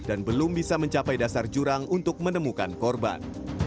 dan belum bisa mencapai dasar jurang untuk menemukan korban